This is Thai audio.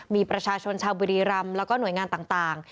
มีประชาชนชาวบุรีรำแล้วก็หน่วยงานต่าง